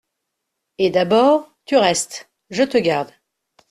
Et, d’abord, tu restes, je te garde.